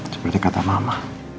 seperti kata mama